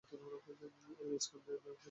এবং স্ম্যাকডাউন ব্র্যান্ডের অধীনে রেসলিং করছে।